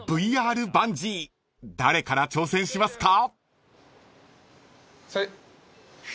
バンジー誰から挑戦しますか？］